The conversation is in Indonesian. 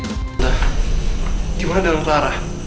gimana dalam kelara